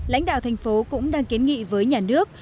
lãnh đạo thành phố cũng đang kiến nghị với nhà nước